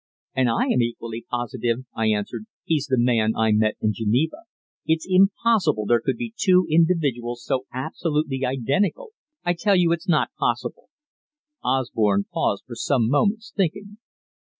"And I am equally positive," I answered, "he's the man I met in Geneva. It's impossible there could be two individuals so absolutely identical I tell you it's not possible." Osborne paused for some moments, thinking.